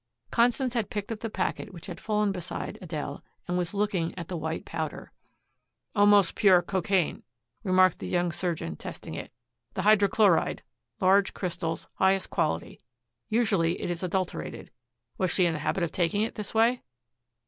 Constance had picked up the packet which had fallen beside Adele and was looking at the white powder. "Almost pure cocaine," remarked the young surgeon, testing it. "The hydrochloride, large crystals, highest quality. Usually it is adulterated. Was she in the habit of taking it this way?"